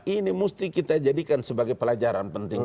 ini mesti kita jadikan sebagai pelajaran penting